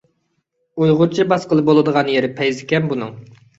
ئۇيغۇرچە باسقىلى بولىدىغان يېرى پەيزىكەن بۇنىڭ.